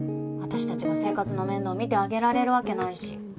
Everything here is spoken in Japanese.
私たちが生活の面倒見てあげられるわけないし。